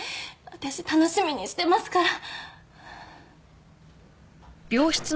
私楽しみにしてますから。